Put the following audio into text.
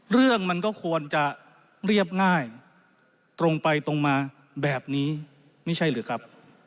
เรื่องมันก็ควรจะเรียบง่ายตรงไปตรงมาแบบนี้ไม่ใช่หรือครับ